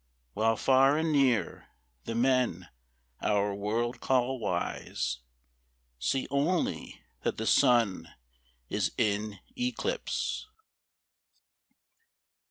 While far and near the men our world call wise See only that the Sun is in eclipse.